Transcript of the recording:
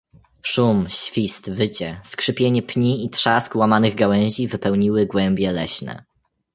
"Szum, świst, wycie, skrzypienie pni i trzask łamanych gałęzi wypełniły głębie leśne."